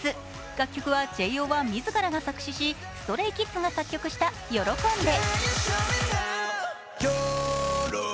楽曲はＪＯ１自らが作詞し、ＳｔｒａｙＫｉｄｓが作曲した「ＹＯＬＯ−ｋｏｎｄｅ」。